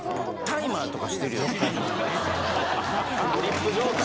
トリップ状態？